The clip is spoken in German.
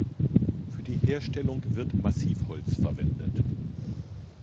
Für die Herstellung wird Massivholz verwendet.